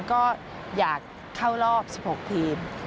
ก็อยากเข้ารอบ๑๖ทีม